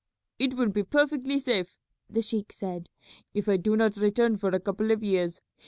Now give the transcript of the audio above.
"It will be perfectly safe," the sheik said, "if I do not return for a couple of years.